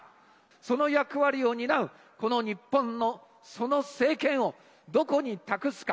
その役割を担う、この日本の、その政権をどこに託すか。